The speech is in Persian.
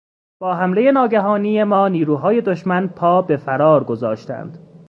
با حملهٔ ناگهانی ما نیروهای دشمن پا بفرار گذاشتند.